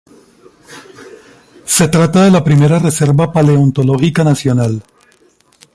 Se trata de la primera "reserva paleontológica nacional".